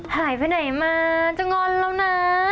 หายไปไหนมาจะงอนแล้วนะ